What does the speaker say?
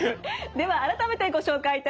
では改めてご紹介いたします。